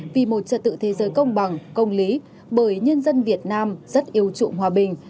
vì một trật tự thế giới công bằng công lý bởi nhân dân việt nam rất yêu trụng hòa bình